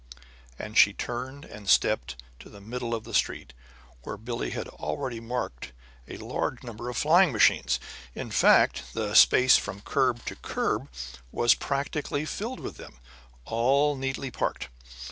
And she turned and stepped to the middle of the street, where Billie had already marked a large number of flying machines. In fact, the space from curb to curb was practically filled with them, all neatly parked.